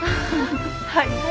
はい。